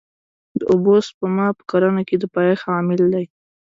د اوبو سپما په کرنه کې د پایښت عامل دی.